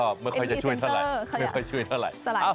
พยายามอยู่แต่ก็ไม่ค่อยช่วยเท่าไหร่